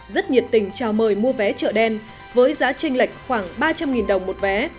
rất nhiệt tình chào mời mua vé chợ đen với giá tranh lệch khoảng ba trăm linh đồng một vé